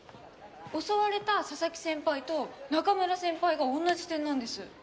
襲われた佐々木先輩と中村先輩が同じ点なんです。